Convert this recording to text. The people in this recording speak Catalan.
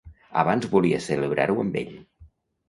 Abans volia celebrar-ho amb ell.